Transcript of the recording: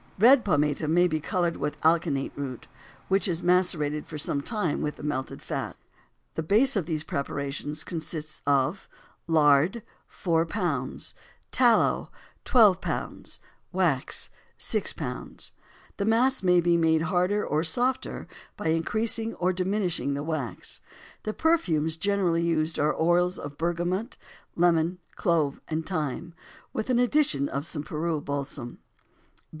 Red pomatum may be colored with alkanet root, which is macerated for some time with the melted fat. The base of these preparations consists of: Lard 4 lb. Tallow 12 lb. Wax 6 lb. The mass may be made harder or softer by increasing or diminishing the wax. The perfumes generally used are oils of bergamot, lemon, clove, and thyme, with an addition of some Peru balsam.